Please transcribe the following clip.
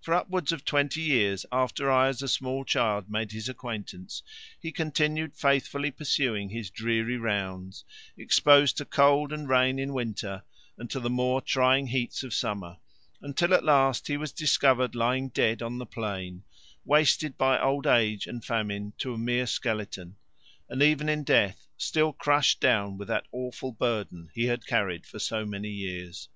For upwards of twenty years after I as a small child made his acquaintance he continued faithfully pursuing his dreary rounds, exposed to cold and rain in winter and to the more trying heats of summer; until at last he was discovered lying dead on the plain, wasted by old age and famine to a mere skeleton, and even in death still crushed down with that awful burden he had carried for so many years.